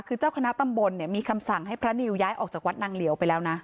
คือเจ้าคณะตำบลเนี่ยมีคำสั่งให้พระนิวย้ายออกจากวัดนางเหลียวไปแล้วนะ